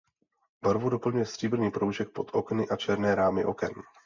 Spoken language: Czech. Barvu doplňuje stříbrný proužek pod okny a černé rámy oken.